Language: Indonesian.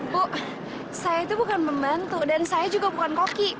bu saya itu bukan pembantu dan saya juga bukan koki